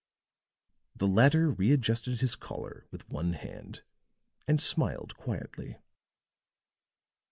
The latter readjusted his collar with one hand, and smiled quietly.